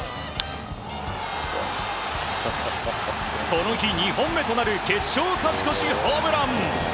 この日、２本目となる決勝勝ち越しホームラン。